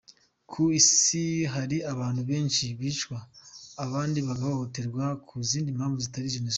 Ku isi hari abantu benshi bicwa abandi bagahohoterwa ku zindi mpamvu zitari Jenoside.